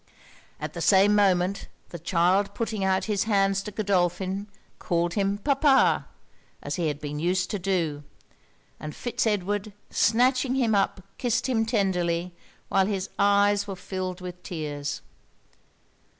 At the same moment, the child putting out his hands to Godolphin, called him papa! as he had been used to do; and Fitz Edward, snatching him up, kissed him tenderly, while his eyes were filled with tears.